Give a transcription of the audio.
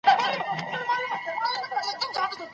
د ښکاری هم حوصله پر ختمېدو وه